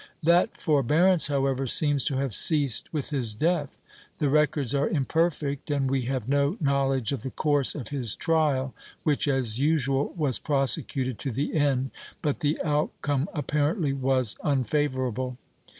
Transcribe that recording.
That forbearance, however, seems to have ceased with his death. The records are imperfect, and we have no knowledge of the course of his trial which, as usual, was prosecuted to the end, but the outcome apparently was unfavorable.